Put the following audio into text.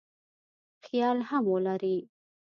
خیال هم ولري.